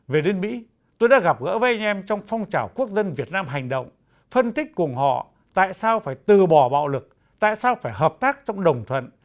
về đến mỹ tôi đã gặp gỡ với anh em trong phong trào quốc dân việt nam hành động phân tích cùng họ tại sao phải từ bỏ bạo lực tại sao phải hợp tác trong đồng thuận